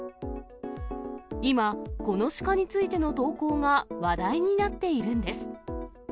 今、この鹿についての投稿が話題になっているんです。